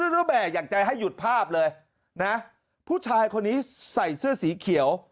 แล้วแม่อยากจะให้หยุดภาพเลยนะผู้ชายคนนี้ใส่เสื้อสีเขียว